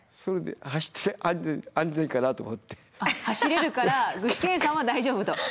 走れるから具志堅さんは大丈夫と。